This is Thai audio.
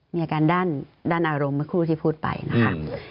มีอาการด้านอารมณ์เมื่อครู่ที่พูดไปนะคะ